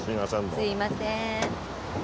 すいません。